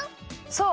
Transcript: そう！